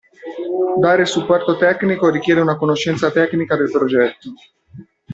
Dare supporto tecnico richiede una conoscenza tecnica del progetto.